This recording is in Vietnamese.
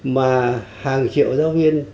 mà hàng triệu giáo viên